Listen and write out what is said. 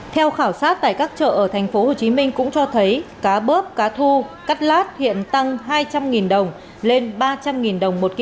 theo khảo sát tại các chợ ở tp hcm cũng cho thấy cá bớp cá thu cắt lát hiện tăng hai trăm linh đồng lên ba trăm linh đồng một kg mực ống tăng lên ba trăm năm mươi đồng đến bốn trăm linh đồng một kg